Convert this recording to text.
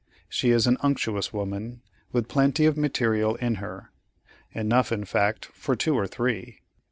She is an unctuous woman, with plenty of material in her—enough, in fact, for two or three.